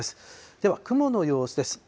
では、雲の様子です。